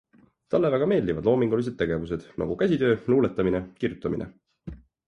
Talle väga meeldivad loomingulised tegevused, nagu käsitöö, luuletamine, kirjutamine.